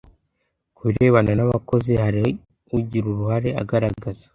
kubirebana n'abakozi hari ugira uruhare agaragaza